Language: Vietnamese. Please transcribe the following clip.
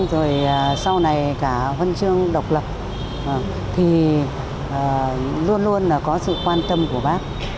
rồi sau này cả huân chương độc lập thì luôn luôn là có sự quan tâm của bác